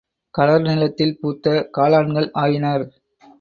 களர் நிலத்தில் பூத்த காளான்கள் ஆயினர்.